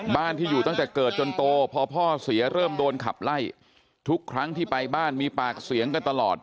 บ้านที่อยู่ตั้งแต่เกิดจนโตพอพ่อเสียเริ่มโดนขับไล่ทุกครั้งที่ไปบ้านมีปากเสียงกันตลอด